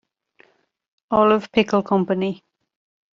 Olive Pickle Company.